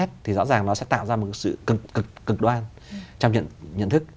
thì rõ ràng nó sẽ tạo ra một sự cực đoan trong nhận thức